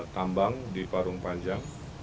tambang di parung panjang